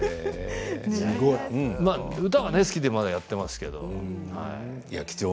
歌は好きでまだやっていますけどね。